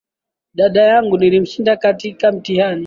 Dada yangu nilimshinda katika mitihani